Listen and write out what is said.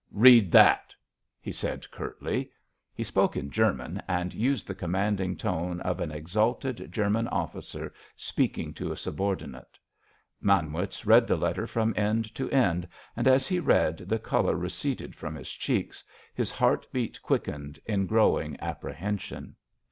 "Read that!" he said curtly. He spoke in German, and used the commanding tone of an exalted German officer speaking to a subordinate. Manwitz read the letter from end to end, and as he read the colour receded from his cheeks, his heart beat quickened in growing apprehension.